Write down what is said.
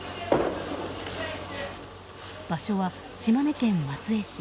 場所は島根県松江市。